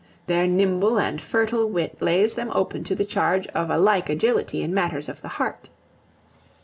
Their nimble and fertile wit lays them open to the charge of a like agility in matters of the heart.